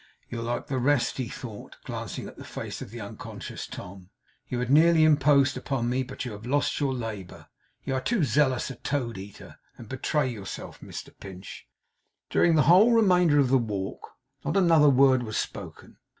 'You're like the rest,' he thought, glancing at the face of the unconscious Tom. 'You had nearly imposed upon me, but you have lost your labour. You are too zealous a toad eater, and betray yourself, Mr Pinch.' During the whole remainder of the walk, not another word was spoken.